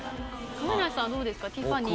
亀梨さんはどうですか？